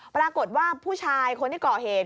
ปรากฏว่าผู้ชายคนที่ก่อเหตุ